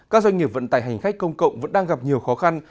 các doanh nghiệp vận tải hành khách công cộng vẫn đang gặp nhiều khó khăn